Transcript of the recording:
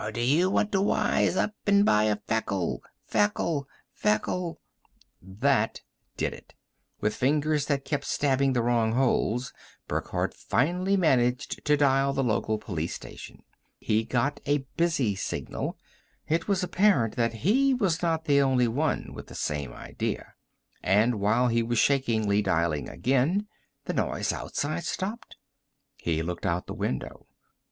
Or do you want to wise up and buy a Feckle, Feckle, Feckle " That did it. With fingers that kept stabbing the wrong holes, Burckhardt finally managed to dial the local police station. He got a busy signal it was apparent that he was not the only one with the same idea and while he was shakingly dialing again, the noise outside stopped. He looked out the window.